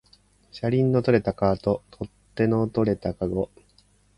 車輪の取れたカート、取っ手の取れたかご